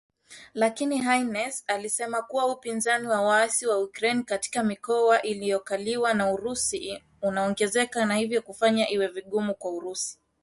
Lakini Haines alisema kuwa upinzani wa waasi wa Ukraine katika mikoa inayokaliwa na Urusi unaongezeka na hivyo kufanya iwe vigumu kwa Urusi